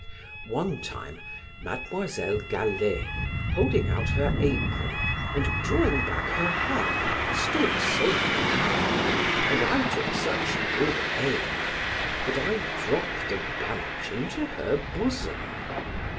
One time, Mademoiselle Galley, holding out her apron, and drawing back her head, stood so fair, and I took such good aim, that I dropped a bunch into her bosom.